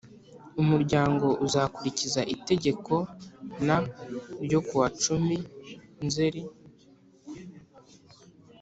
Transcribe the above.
Umuryango uzakurikiza Itegeko n ryo kuwa cumi nzeri